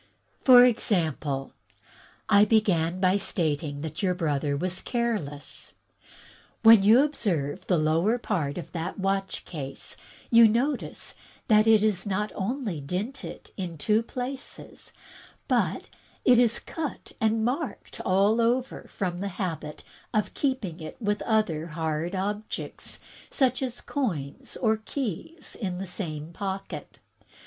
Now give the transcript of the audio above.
For example, I began by stating that your THE RATIONALE OF RATIOaNATION II9 brother was careless. When you observe the lower part of that watch case you notice that it is not only dinted in two places, but it is cut and marked all over from the habit of keeping other hard objects, such as coins or keys, in the same pocket.